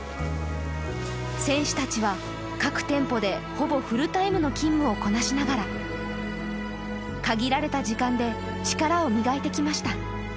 選手たちは、各店舗でほぼフルタイムの勤務をこなしながら限られた時間で力を磨いてきました。